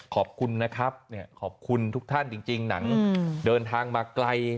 ขอบคุณนะครับขอบคุณทุกท่านจริงหนังเดินทางมาไกล